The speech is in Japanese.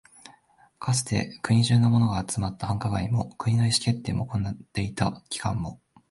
かつて国中のものが集まった繁華街も、国の意思決定を行っていた機関も、